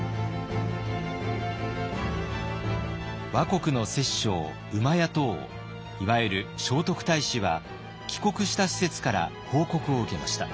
倭国の摂政厩戸王いわゆる聖徳太子は帰国した使節から報告を受けました。